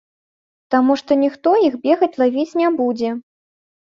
Таму што ніхто іх бегаць лавіць не будзе.